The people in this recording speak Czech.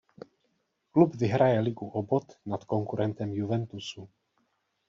Klub vyhraje ligu o bod nad konkurentem Juventusu.